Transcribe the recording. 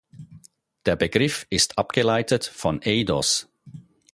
Der Begriff ist abgeleitet von Eidos.